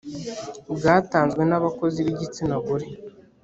bwatanzwe n abakozi b igitsina gore